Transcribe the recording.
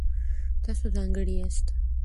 تاسو ځانګړي یاست.